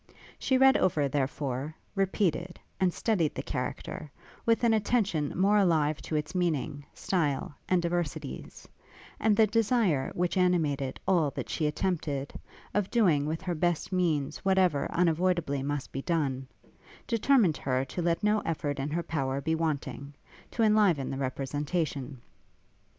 She read over, therefore, repeated, and studied the character, with an attention more alive to its meaning, style, and diversities; and the desire which animated all that she attempted, of doing with her best means whatever unavoidably must be done, determined her to let no effort in her power be wanting, to enliven the representation.